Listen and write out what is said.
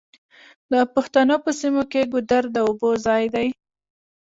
د پښتنو په سیمو کې ګودر د اوبو ځای دی.